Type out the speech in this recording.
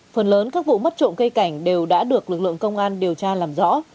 phần lớn các vụ mất trộm cây cảnh đều đã được lực lượng công an điều tra làm rõ